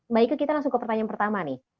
mbak ike kita langsung ke pertanyaan pertama nih